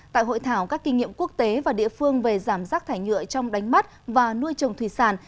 tại hội thảo các kinh nghiệm quốc tế và địa phương về giảm rác thải nhựa trong đánh bắt và nuôi trồng thủy sản